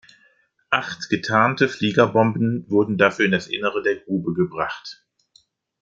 Acht getarnte Fliegerbomben wurden dafür in das Innere der Grube gebracht.